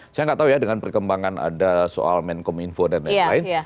saya nggak tahu ya dengan perkembangan ada soal menkom info dan lain lain